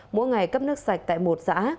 mỗi ngày cấp nước sạch tại một xã